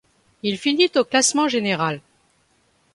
Il finit au classement général.